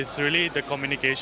itu sebenarnya komunikasi